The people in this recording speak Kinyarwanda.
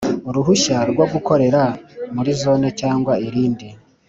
Uruhushya rwo gukorera muri zone cyangwa irindi